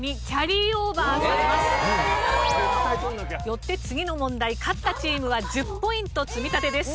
よって次の問題勝ったチームは１０ポイント積み立てです。